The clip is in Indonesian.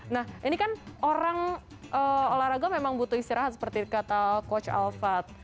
nah ini kan orang olahraga memang butuh istirahat seperti kata coach alphad